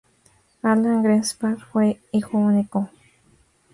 Alan Greenspan fue hijo único.